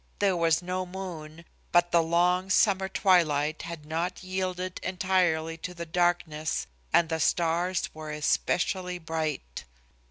There was no moon, but the long summer twilight had not yielded entirely to the darkness and the stars were especially bright.